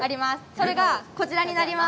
それがこちらになります。